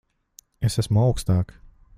Es esmu augstāk.